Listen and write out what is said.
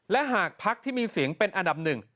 และหากพักที่มีเสียงเป็นอันดับหนึ่ง